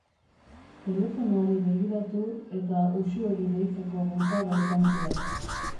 Telefonari begiratu eta Uxueri deitzeko bulkada izan zuen.